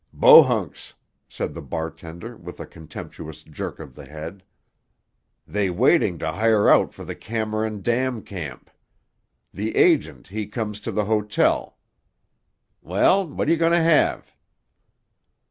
"Bohunks," said the bartender with a contemptuous jerk of the head. "They waiting to hire out for the Cameron Dam Camp. The agent he comes to the hotel. Well, what you going to have?"